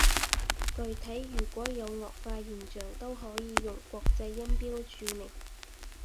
具體如果有顎化現象，都可以用國際音標注明